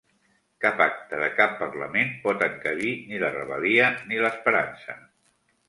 Cap acta de cap parlament pot encabir ni la rebel·lia ni l’esperança.